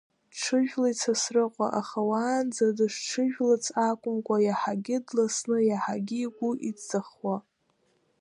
Дҽыжәлеит Сасрыҟәа, аха уаанӡа дышҽыжәлац акәымкәа, иаҳагьы дласны, иаҳагьы игәы иҵаххуа.